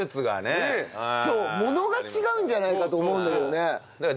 そうものが違うんじゃないかと思うんだけどね。